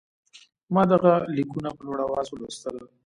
ما دغه لیکونه په لوړ آواز ولوستل.